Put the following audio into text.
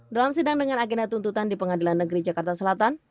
dalam sidang dengan agenda tuntutan di pengadilan negeri jakarta selatan